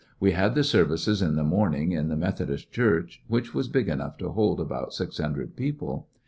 We had the services in the morning in the Methodist church, which was big enough to hold about six hundred people.